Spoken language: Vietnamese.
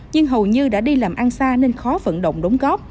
nhưng hầu như đã đi làm ăn xa nên khó vận động đóng góp